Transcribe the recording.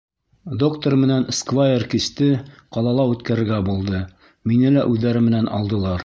Доктор менән сквайр кисте ҡалала үткәрергә булды, мине лә үҙҙәре менән алдылар.